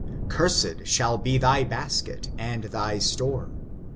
Cursed shall be thy basket and thy store.